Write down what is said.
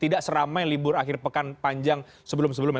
tidak seramai libur akhir pekan panjang sebelum sebelumnya